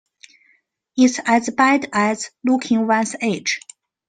It's as bad as looking one's age.